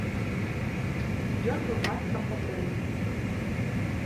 Ён быў майстрам па дрэве.